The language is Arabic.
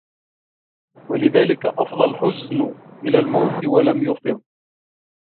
وَلِذَلِكَ أَفْضَى الْحُزْنُ إلَى الْمَوْتِ وَلَمْ يُفِضْ